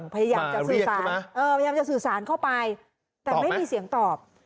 พยายามจะสื่อสารเข้าไปแต่ไม่มีเสียงตอบ